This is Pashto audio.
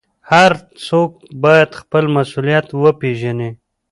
هر څوک باید خپل مسوولیت وپېژني.